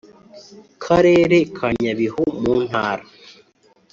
karere ka Nyabihu mu Ntara